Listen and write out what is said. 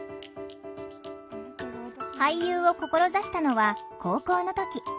俳優を志したのは高校の時。